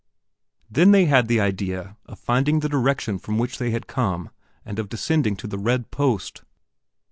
Then they had the idea of finding the direction from which they had come and of descending to the red post.